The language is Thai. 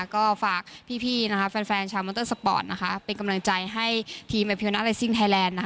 ก็ฝากพี่แฟนชาวมอเตอร์สปอร์ตเป็นกำลังใจให้ทีมอพิวนาเลซิ่งไทยแลนด์